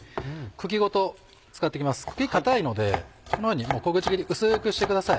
茎硬いのでこのように小口切り薄くしてください。